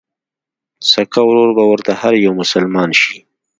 سکه ورور به ورته هر يو مسلمان شي